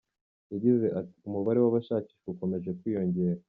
Yagize ati “Umubare w’abashakishwa ukomeje kwiyongera.